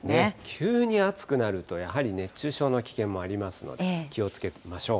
急に暑くなると、熱中症の危険もありますので、気をつけていきましょう。